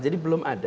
jadi belum ada